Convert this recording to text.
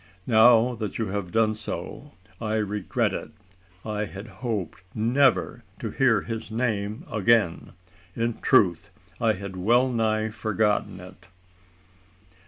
"Now that you have done so, I regret it. I had hoped never to hear his name again. In truth, I had well nigh forgotten it."